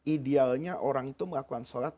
idealnya orang itu melakukan sholat